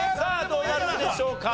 どうなるんでしょうか？